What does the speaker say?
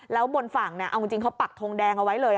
แล้วบนฝั่งเอาจริงเขาปักทงแดงเอาไว้เลย